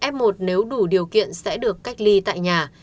f một nếu đủ điều kiện sẽ được cách ly tại nhà